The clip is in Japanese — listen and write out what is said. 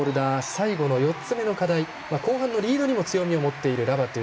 最後の４つ目の課題後半のリードにも強みを持っているラバトゥ。